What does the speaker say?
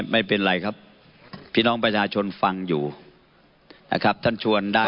ไม่เป็นไรครับพี่น้องประชาชนฟังอยู่นะครับท่านชวนได้